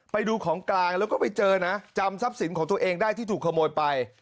ไปดูของกลางแล้วก็ไปเจอนะจำทรัพย์สินของตัวเองได้ที่ถูกขโมยไป